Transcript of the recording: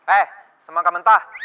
eh semangka mentah